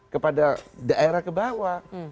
kepada daerah ke bawah